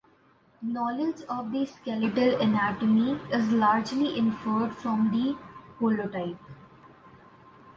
Knowledge of the skeletal anatomy is largely inferred from the holotype.